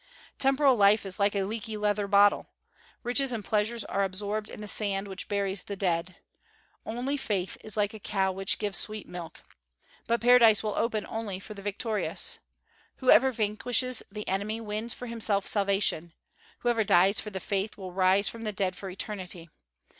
Temporal life is like a leaky leather bottle. Riches and pleasure are absorbed in the sand which buries the dead. Only faith is like a cow which gives sweet milk. But paradise will open only for the victorious. Whoever vanquishes the enemy wins for himself salvation. Whoever dies for the faith will rise from the dead for eternity.